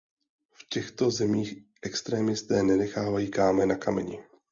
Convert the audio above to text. V těchto zemích extremisté nenechávají kámen na kameni.